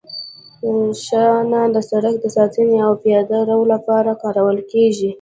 شانه د سرک د ساتنې او پیاده رو لپاره کارول کیږي